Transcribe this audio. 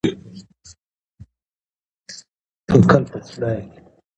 که غریبان قرباني سي، نو افتخارات د واک لرونکو په ګټه تمامیږي.